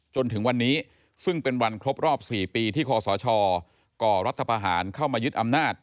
จนถึงวันนี้ซึ่งเป็นวันครบรอบ๔ปีที่คศก่อรัฐพาหารเข้ามายึดอำนาจ